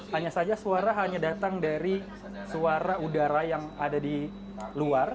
hanya saja suara hanya datang dari suara udara yang ada di luar